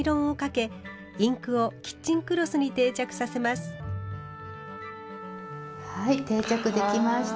仕上げにはい定着できました。